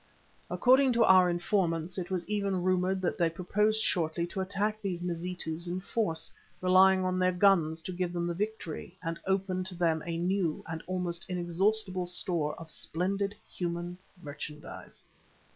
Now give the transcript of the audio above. According to our informants, it was even rumoured that they proposed shortly to attack these Mazitus in force, relying on their guns to give them the victory and open to them a new and almost inexhaustible store of splendid human merchandise.